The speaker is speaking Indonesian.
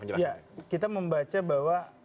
penjelasan kita membaca bahwa